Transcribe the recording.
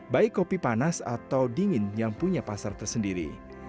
baik kopi panas atau dingin yang punya pasar tersendiri